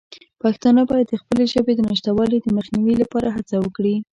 پښتانه باید د خپلې ژبې د نشتوالي د مخنیوي لپاره هڅه وکړي.